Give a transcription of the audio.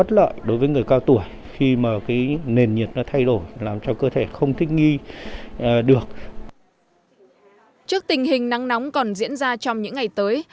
trước tình hình nắng nóng còn diễn ra trong những ngày tới